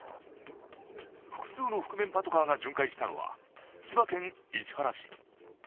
複数の覆面パトカーが巡回したのは千葉県市原市。